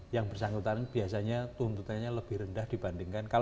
yang bersangkutan biasanya tuntutannya lebih rendah dibandingkan